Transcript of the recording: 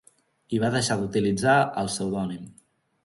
I va deixar d'utilitzar el pseudònim.